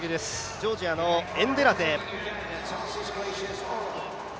ジョージアのエンデラゼ。